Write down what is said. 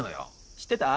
知ってた？